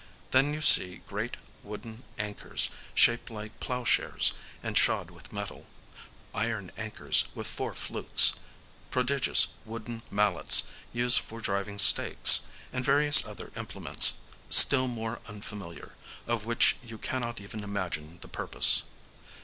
Then you see great wooden anchors, shaped like ploughshares, and shod with metal; iron anchors, with four flukes; prodigious wooden mallets, used for driving stakes; and various other implements, still more unfamiliar, of which you cannot even imagine the purpose.